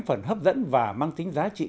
phần hấp dẫn và mang tính giá trị